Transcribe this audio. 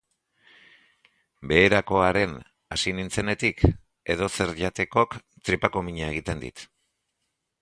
Beherakoaren hasi nintzenetik, edozer jatekok tripako mina egiten dit.